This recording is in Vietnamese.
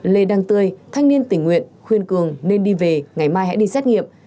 lê đăng tươi thanh niên tình nguyện khuyên cường nên đi về ngày mai hãy đi xét nghiệm